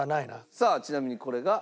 さあちなみにこれが。